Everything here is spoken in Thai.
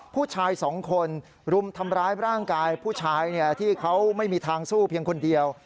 ผู้ชายสองคนรุมทำร้ายร่างกายผู้ชายที่เขาไม่มีทางสู้เพียงคนเดียว